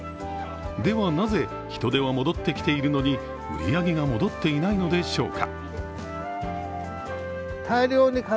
ではなぜ人出は戻ってきているのに売り上げが戻っていないのでしょうか。